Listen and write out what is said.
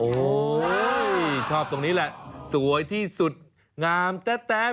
โอ้โหชอบตรงนี้แหละสวยที่สุดงามแต๊ะ